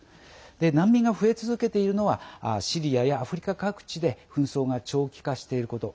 難民が増え続けているのはシリアやアフリカ各地で紛争が長期化していること。